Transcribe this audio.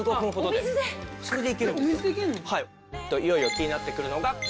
いよいよ気になってくるのが。